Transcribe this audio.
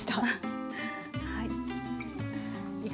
はい。